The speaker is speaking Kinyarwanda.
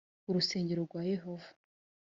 urusengero rwa yehova